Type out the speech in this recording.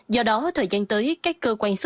do đó thời gian tới các cơ quan xuất